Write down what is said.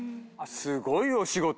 すごいお仕事。